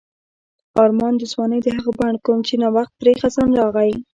آرمان د ځوانۍ د هغه بڼ کوم چې نا وخت پرې خزان راغی.